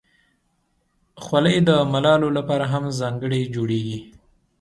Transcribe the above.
خولۍ د ملالو لپاره هم ځانګړې جوړیږي.